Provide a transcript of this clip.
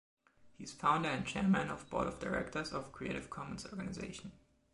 He is founder and Chairman of Board of directors of Creative Commons Organization.